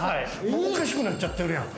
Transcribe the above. おかしくなっちゃってるやん。